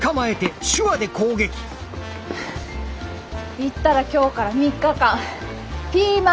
行ったら今日から３日間ピーマンづくしね。